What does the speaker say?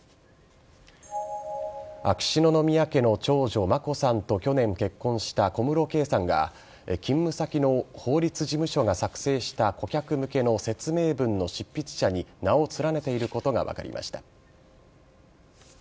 秋篠宮家の長女・眞子さんと去年結婚した小室圭さんが勤務先の法律事務所が作成した顧客向けの説明文の執筆者に名を連ねていることが分かりました。